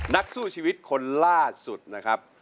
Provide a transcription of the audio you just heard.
นักสู้ชีวิตคนล่าสุดนะครับ